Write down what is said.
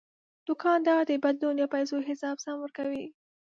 دوکاندار د بدلون یا پیسو حساب سم ورکوي.